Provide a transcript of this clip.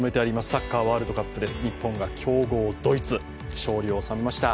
サッカーワールドカップ、日本が強豪ドイツに勝利を収めました。